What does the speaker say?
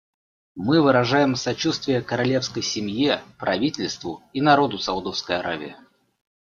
Мы выражаем сочувствие королевской семье, правительству и народу Саудовской Аравии.